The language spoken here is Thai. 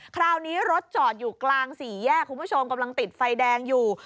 คราวนี้รถจอดอยู่กลางสี่แยกคุณผู้ชมกำลังติดไฟแดงอยู่